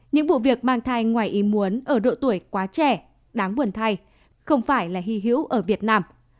những vụ việc mang thai ngoài ý muốn ở độ tuổi quá trẻ đáng buồn thay không phải là hy hữu ở việt nam